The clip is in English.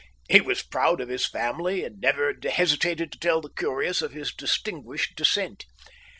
He was proud of his family and never hesitated to tell the curious of his distinguished descent.